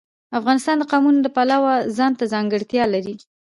افغانستان د قومونه د پلوه ځانته ځانګړتیا لري.